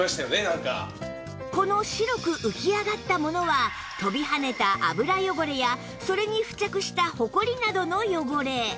この白く浮き上がったものは飛び跳ねた油汚れやそれに付着したホコリなどの汚れ